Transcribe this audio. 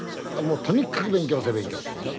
とにかく勉強せえ勉強せえでしょ。